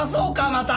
また。